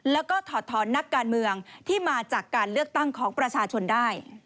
แล้วก็ถอดถอนนักการเมืองที่มาจากการเลือกตั้งของประชาชนได้